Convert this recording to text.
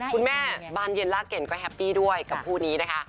คุณแม่บานเย็นล่าเก่นก็แฮปปี้ด้วยกับผู้นี้นะคะ